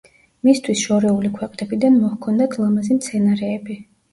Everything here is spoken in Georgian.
მისთვის შორეული ქვეყნებიდან მოჰქონდათ ლამაზი მცენარეები.